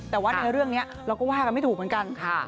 แต่ว่าในเรื่องนี้เราก็ว่ากันไม่ถูกเหมือนกัน